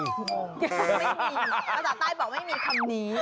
ภาษาต้ายบอกว่าไม่มีทำนี้